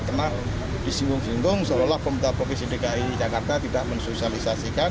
karena disinggung singgung seolah olah pembetul popis dki jakarta tidak mensosialisasikan